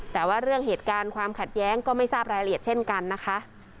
แต่ว่าเรื่องเหตุการณ์ความขัดแย้งก็ไม่ทราบรายละเอียดเช่นกันนะคะ